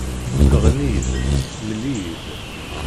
Ɣenni-yi-d, mel-iyi-d